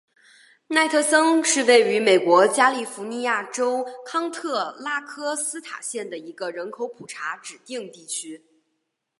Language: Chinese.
奈特森是位于美国加利福尼亚州康特拉科斯塔县的一个人口普查指定地区。